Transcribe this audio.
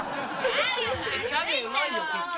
・「キャビアうまいよ結構」